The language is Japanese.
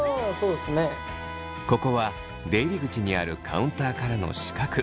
ここは出入り口にあるカウンターからの死角。